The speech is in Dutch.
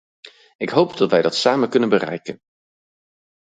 Ik hoop dat wij dat samen kunnen bereiken!